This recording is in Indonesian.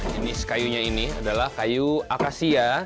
jenis kayunya ini adalah kayu akasia